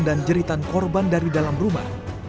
dan jeritan korban dari dalam rumah